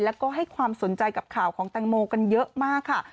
แล้วก็ให้ความสนใจกับข่าวของแตงโมกันเยอะมากค่ะ